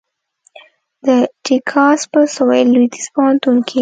د ټیکساس په سوېل لوېدیځ پوهنتون کې